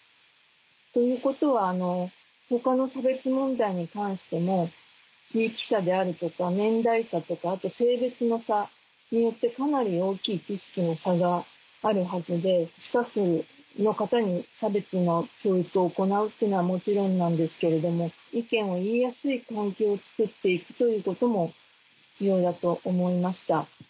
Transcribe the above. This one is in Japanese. ということは他の差別問題に関しても地域差であるとか年代差とかあと性別の差によってかなり大きい知識の差があるはずでスタッフの方に差別の教育を行うっていうのはもちろんなんですけれども意見を言いやすい環境をつくって行くということも必要だと思いました。